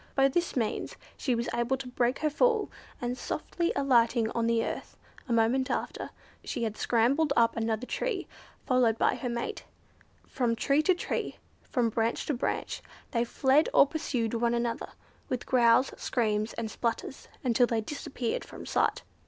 By this means she was able to break her fall, and softly alighting on the earth, a moment after, she had scrambled up another tree, followed by her mate. From tree to tree, from branch to branch, they fled or pursued one another, with growls, screams, and splutters, until they disappeared from sight.